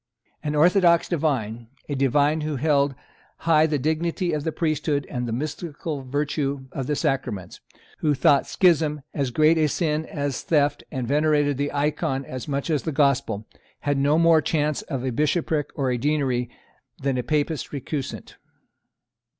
An orthodox divine, a divine who held high the dignity of the priesthood and the mystical virtue of the sacraments, who thought schism as great a sin as theft and venerated the Icon as much as the Gospel, had no more chance of a bishopric or a deanery than a Papist recusant.